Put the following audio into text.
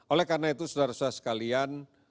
oleh karena itu saudara saudara sekalian